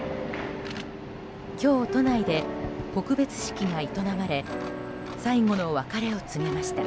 今日、都内で告別式が営まれ最後の別れを告げました。